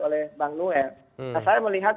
oleh bank nuer nah saya melihat